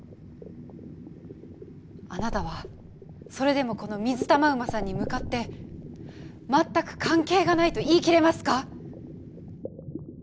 あなたはそれでもこのミズタマウマさんに向かって全く関係がないと言い切れますか？